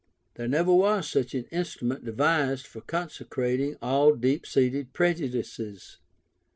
There never was such an instrument devised for consecrating all deep seated prejudices.